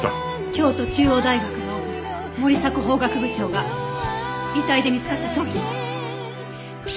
京都中央大学の森迫法学部長が遺体で見つかったそうよ。